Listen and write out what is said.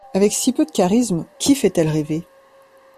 Avec si peu de charisme, qui fait-elle rêver?